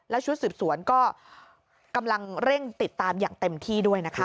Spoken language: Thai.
ชุดสืบสวนก็กำลังเร่งติดตามอย่างเต็มที่ด้วยนะคะ